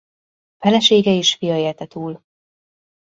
Felesége és fia élte túl.